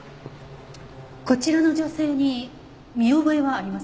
こちらの女性に見覚えはありませんか？